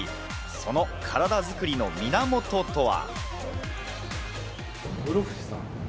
その体作りの源とは？